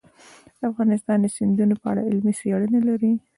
افغانستان د سیندونه په اړه علمي څېړنې لري.